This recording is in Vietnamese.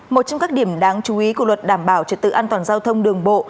một trong các điểm đáng chú ý của luật đảm bảo trật tự an toàn giao thông đường bộ